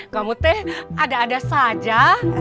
kamu teh ada ada saja